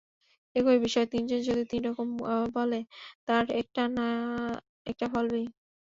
একই বিষয়ে তিনজন যদি তিন রকম বলে, তার একটা না-একটা ফলবেই।